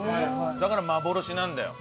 だから幻なんだよ。